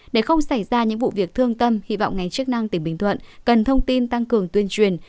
để không xảy ra những vụ việc thương tâm hy vọng ngành chức năng tỉnh bình thuận cần thông tin tăng cường tuyên truyền